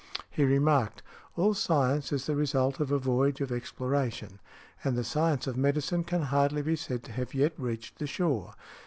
He remarked, "All science is the result of a voyage of exploration, and the science of medicine can hardly be said to have yet reached the shore.